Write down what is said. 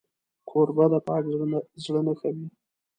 کوربه د پاک زړه نښه وي.